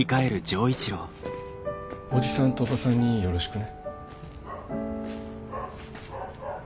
おじさんとおばさんによろしくね。